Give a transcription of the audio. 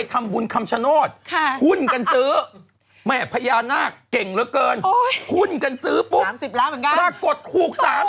ขุ้นกันซื้อปุ๊บปรากฏหูก๓๐ล้าน